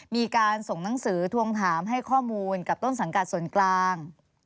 มีการส่งหนังสือทวงถามให้ข้อมูลกับต้นสังกัดส่วนกลาง